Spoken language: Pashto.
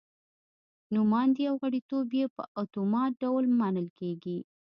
نوماندي او غړیتوب یې په اتومات ډول منل کېږي.